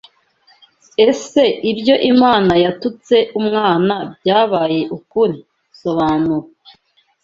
Ese ibyo Imana yatutse umwana byabaye ukuri Sobanura